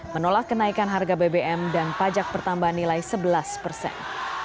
menolak kenaikan harga bbm dan pajak pertambahan nilai sebelas persen